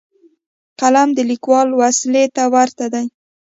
قلم د لیکوال وسلې ته ورته دی.